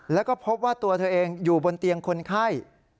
แล้วก็พบว่าตัวเธอเองอยู่บนเตียงคนไข้